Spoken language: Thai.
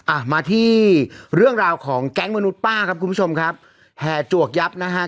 อ่ะมาที่เรื่องราวของแก๊งมนุษย์ป้าครับคุณผู้ชมครับแห่จวกยับนะฮะ